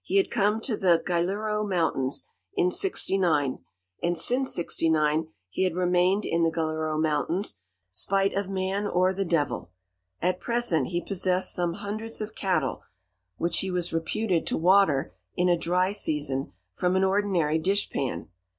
He had come to the Galiuro Mountains in '69, and since '69 he had remained in the Galiuro Mountains, spite of man or the devil. At present he possessed some hundreds of cattle, which he was reputed to water, in a dry season, from an ordinary dish pan.